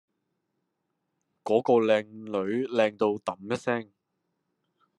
嗰個靚女靚到揼一聲